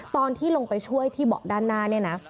ตอนที่ลงไปช่วยที่เบาะด้านหน้าเนี่ยนะ